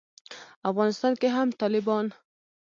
افغانستان کې هم طالبان